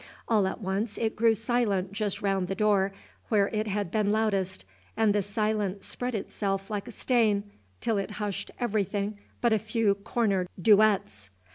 All at once it grew silent just round the door, where it had been loudest, and the silence spread itself like a stain, till it hushed everything but a few corner duets.